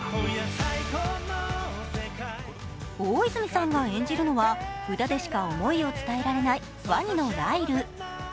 大泉さんが演じるのは、歌でしか思いを伝えられないワニのライル。